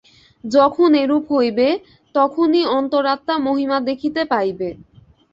যখন এরূপ হইবে, তখনই অন্তরাত্মা মহিমা দেখিতে পাইবে।